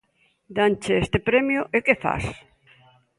Danche este premio e que fas?